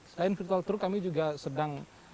selain virtual truk kami juga sedang